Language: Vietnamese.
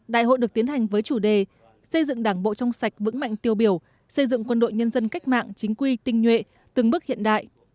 đại hội được tiến hành với chủ đề xây dựng đảng bộ trong sạch vững mạnh tiêu biểu xây dựng quân đội nhân dân cách mạng chính quy tinh nhuệ từng bước hiện đại